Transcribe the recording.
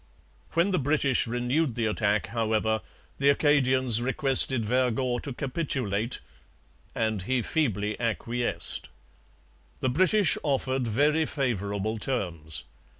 When the British renewed the attack, however, the Acadians requested Vergor to capitulate; and he feebly acquiesced. The British offered very favourable terms.